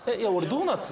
ドーナツ？